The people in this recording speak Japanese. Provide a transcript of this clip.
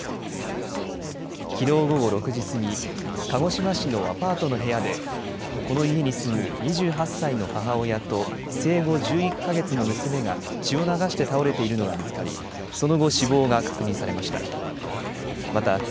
きのう午後６時過ぎ、鹿児島市のアパートの部屋で、この家に住む２８歳の母親と生後１１か月の娘が血を流して倒れているのが見つかり、その後、死亡が確認されました。